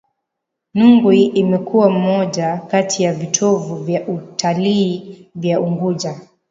Nungwi imekuwa moja kati ya vitovu vya utalii vya Unguja